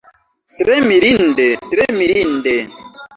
Tre mirinde, tre mirinde!